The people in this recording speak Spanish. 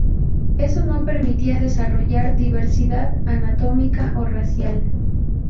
Eso no permitía desarrollar diversidad anatómica o racial.